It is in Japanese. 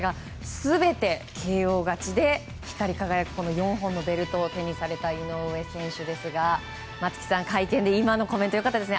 全てＫＯ勝ちで光り輝く４本のベルトを手にされた井上選手ですが松木さん、会見で今のコメント良かったですね。